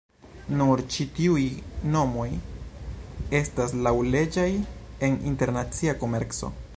Nur ĉi-tuj nomoj estas laŭleĝaj en internacia komerco.